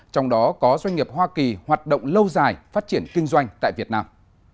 trong đó có doanh nghiệp hoa kỳ hoạt động lâu dài phát triển kinh doanh tại việt nam